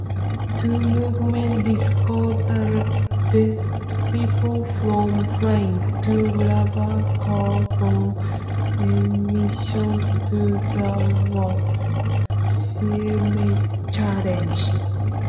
The movement discourages people from flying to lower carbon emissions to thwart climate change.